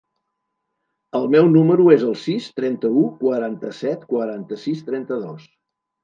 El meu número es el sis, trenta-u, quaranta-set, quaranta-sis, trenta-dos.